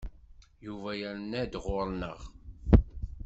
Yuba yerna-d ɣur-neɣ.